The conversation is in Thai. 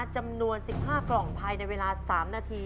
จำนวน๑๕กล่องภายในเวลา๓นาที